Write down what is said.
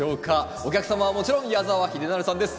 お客様はもちろん矢澤秀成さんです。